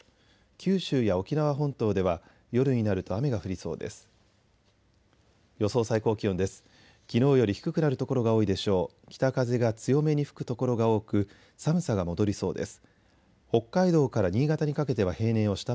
九州や沖縄本島では夜になると雨が降りそうです。